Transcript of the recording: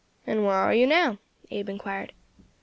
"And where are you now?" Abe inquired.